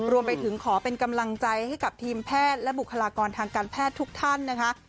รวมไปถึงขอเป็นกำลังใจให้กับทีมแพทย์และบุคลากรทางการแพทย์ทุกท่านนะคะ